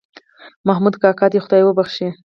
محمود کاکا دې خدای وبښي